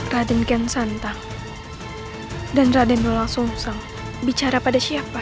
raden kian santang dan raden al sonsal bicara pada siapa